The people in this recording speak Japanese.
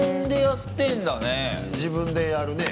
自分でやるねえ。